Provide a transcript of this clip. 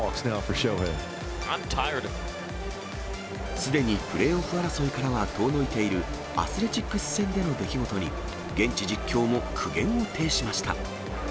すでにプレーオフ争いからは遠のいているアスレチックス戦での出来事に、現地実況も苦言を呈しました。